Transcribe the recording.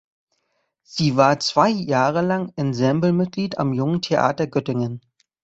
Sie war zwei Jahre lang Ensemblemitglied am Jungen Theater Göttingen.